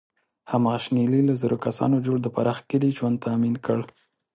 هماغه شنیلي له زرو کسانو جوړ د پراخ کلي ژوند تأمین کړ.